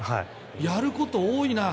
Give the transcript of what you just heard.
やることが多いな。